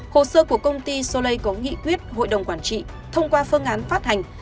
hồ sơ của công ty solei có nghị quyết hội đồng quản trị thông qua phương án phát hành